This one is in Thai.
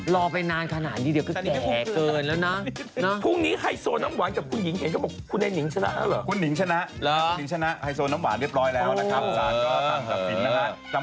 รอไปนานขนาดนี้เดี๋ยวก็แก่เกินแล้วนะ